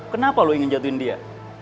kenapa lo ingin jatuhin dia